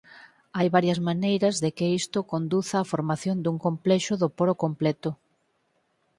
Hai varias maneiras de que isto conduza á formación dun complexo do poro completo.